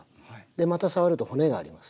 また触ると骨があります。